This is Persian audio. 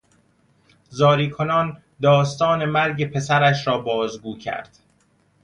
زاری کنان داستان مرگ پسرش را بازگو کرد.